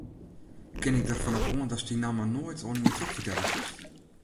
Kin ik derfan op oan datst dy namme noait oan ien trochfertelle silst?